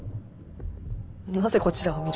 なぜこちらを見る？